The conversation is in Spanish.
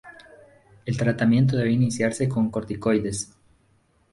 El tratamiento debe iniciarse con corticoides.